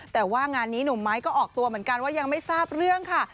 แต่ว่างานนี้หนุ่มไม้ก็ออกตัวเหมือนกันว่ายังไม่ทราบเรื่องค่ะ